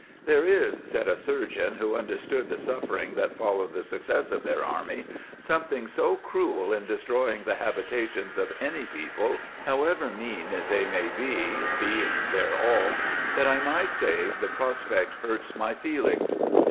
"There is," said a surgeon who understood the suffering that followed the success of their army, " something so cruel in de stroying the habitations of any people (however mean they may be, being their all) that I might say the prospect hurts my feelings."